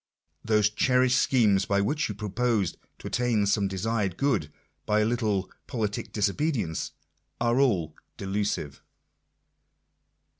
Those cherished schemes by which you propose tol attain some desired good by a little politic disobedience, are all) delusive.